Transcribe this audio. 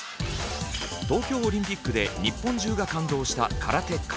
東京オリンピックで日本中が感動した空手形。